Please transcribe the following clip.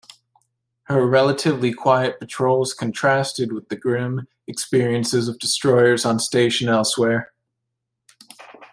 Her relatively quiet patrols contrasted with the grim experiences of destroyers on station elsewhere.